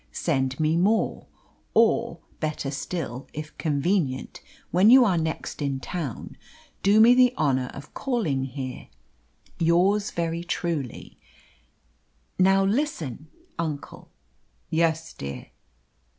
Send me more, or, better still, if convenient, when you are next in town, do me the honour of calling here. Yours very truly ' "Now listen, uncle." "Yes, dear!"